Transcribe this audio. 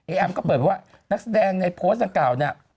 อีแอมก็เปิดไปว่านักแสดงในโพสต์เก่านี้